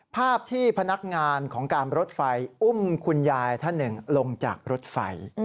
ภาพที่พนักงานของการรถไฟอุ้มคุณยายท่านหนึ่งลงจากรถไฟ